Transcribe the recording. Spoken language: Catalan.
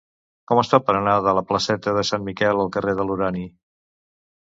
Com es fa per anar de la placeta de Sant Miquel al carrer de l'Urani?